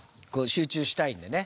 集中したいんでね。